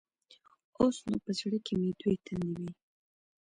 اوس نو په زړه کښې مې دوې تندې وې.